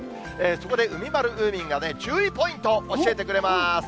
そこでうみまる、うーみんが注意ポイントを教えてくれまーす。